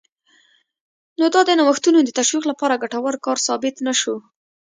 نو دا د نوښتونو د تشویق لپاره ګټور کار ثابت نه شو